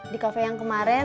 di kafe yang kemarin